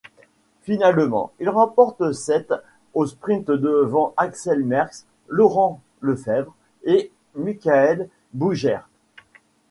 Finalement, il remporte cette au sprint devant Axel Merckx, Laurent Lefèvre et Michael Boogerd.